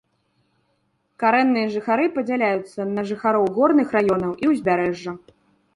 Карэнныя жыхары падзяляюцца на жыхароў горных раёнаў і ўзбярэжжа.